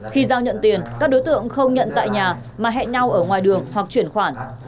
khi giao nhận tiền các đối tượng không nhận tại nhà mà hẹn nhau ở ngoài đường hoặc chuyển khoản